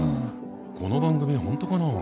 この番組本当かな？